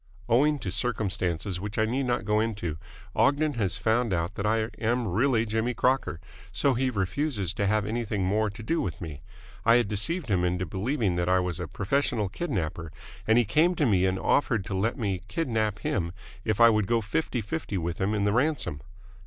Owing to circumstances which I need not go into, Ogden has found out that I am really Jimmy Crocker, so he refuses to have anything more to do with me. I had deceived him into believing that I was a professional kidnapper, and he came to me and offered to let me kidnap him if I would go fifty fifty with him in the ransom!"